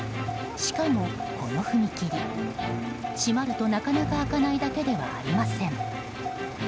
しかも、この踏切閉まるとなかなか開かないだけではありません。